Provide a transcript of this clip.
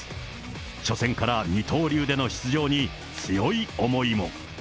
初戦から二刀流での出場に強い思いも。